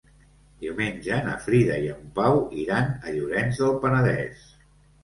Diumenge na Frida i en Pau iran a Llorenç del Penedès.